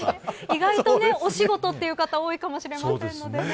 意外とお仕事という方多いかもしれませんのでね。